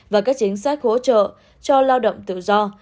và các chính sách hỗ trợ cho lao động tự do